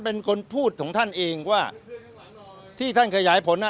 เป็นคนพูดของท่านเองว่าที่ท่านขยายผล